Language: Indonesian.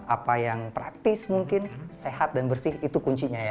apa yang praktis mungkin sehat dan bersih itu kuncinya ya